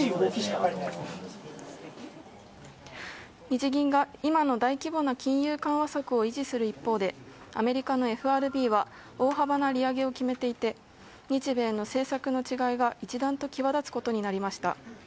日銀が今の大規模な金融緩和策を維持する一方でアメリカのＦＲＢは大幅な利上げを決めていて日米の政策の違いが一段と際立つことになりました。